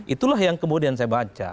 itulah yang kemudian saya baca